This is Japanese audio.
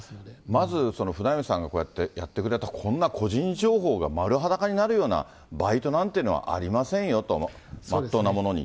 まず、フナイムさんがこうやってやってくれた、こんな個人情報が丸裸になるようなバイトなんていうのは、ありませんよと、まっとうなものに。